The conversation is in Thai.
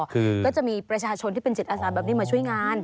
แล้วก็จะมีประชาชนที่เป็นเจษาอาทารกิจแบบนี้มาช่วยงาน